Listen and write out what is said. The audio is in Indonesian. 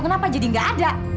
kenapa jadi enggak ada